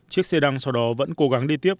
chiếc xe đăng sau đó vẫn cố gắng đi tiếp